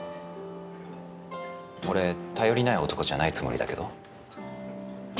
俺頼りない男じゃないつもりだけど。